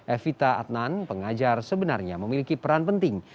evita adnan pengajar sebenarnya memiliki peran penting